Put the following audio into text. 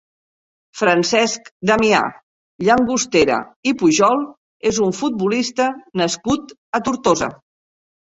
Francesc Damià Llangostera i Pujol és un futbolista nascut a Tortosa.